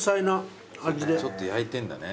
ちょっと焼いてんだね